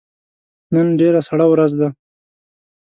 نن ډیره سړه ورځ ده